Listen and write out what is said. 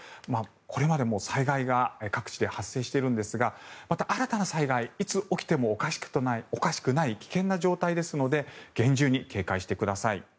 これまでも災害が各地で発生しているんですがまた新たな災害がいつ起きてもおかしくない危険な状態ですので厳重に警戒してください。